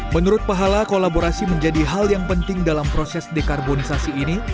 menurut pahala kolaborasi menjadi hal yang penting dalam proses dekarbonisasi ini